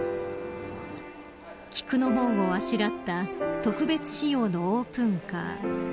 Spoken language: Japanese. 菊の紋をあしらった特別仕様のオープンカー。